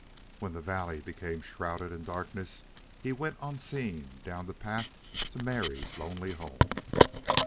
When the valley became shrouded in darkness he went unseen down the path to Mary's lonely home.